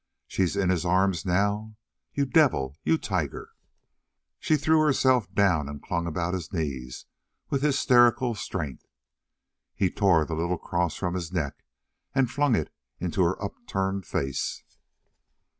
She's in his arms now you devil you tiger " She threw herself down and clung about his knees with hysterical strength. He tore the little cross from his neck and flung it into her upturned face.